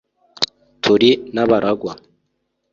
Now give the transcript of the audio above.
turi n'abaragwa